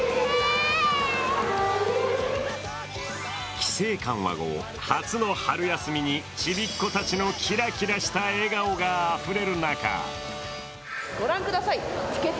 規制緩和後、初の春休みにちびっ子たちのキラキラした笑顔があふれる中